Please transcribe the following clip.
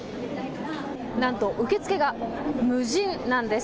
なんと受付が無人なんです。